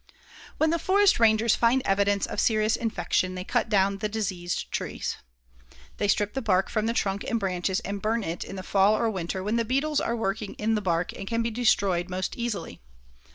When the forest rangers find evidences of serious infection, they cut down the diseased trees. They strip the bark from the trunk and branches and burn it in the fall or winter when the beetles are working in the bark and can be destroyed most easily.